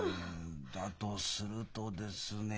だとするとですね